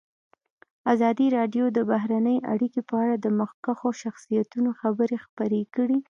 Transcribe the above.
ازادي راډیو د بهرنۍ اړیکې په اړه د مخکښو شخصیتونو خبرې خپرې کړي.